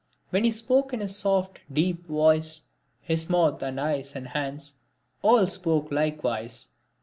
When he spoke in his soft deep voice, his mouth and eyes and hands all spoke likewise.